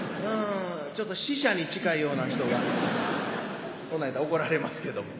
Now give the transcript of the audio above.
ちょっと死者に近いような人がそんなん言うたら怒られますけども。